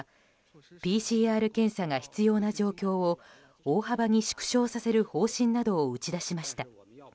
ＰＣＲ検査が必要な状況を大幅に縮小させる方針などを打ち出しました。